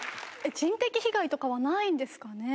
人的被害とかはないんですかね？